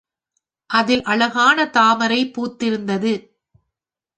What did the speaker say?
அதில் அழகான தாமரை பூத்திருந்தது.